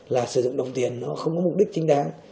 là sử dụng đồng tiền nó không có mục đích chính đáng